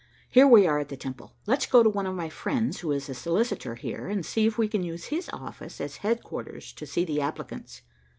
Here we are at the Temple. Let's go to one of my friends who is a solicitor here, and see if we can use his office as headquarters to see the applicants."